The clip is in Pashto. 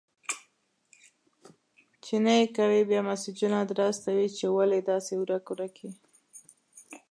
چي نې کوې، بيا مسېجونه در استوي چي ولي داسي ورک-ورک يې؟!